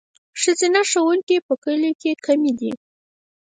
ښځینه ښوونکي په کلیو کې کمې دي.